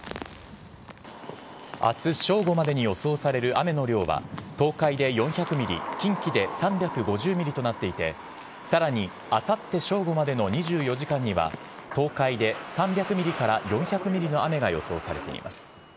あす正午までに予想される雨の量は、東海で４００ミリ、近畿で３５０ミリとなっていて、さらにあさって正午までの２４時間には、東海で３００ミリから４００ミリの雨が予想されています。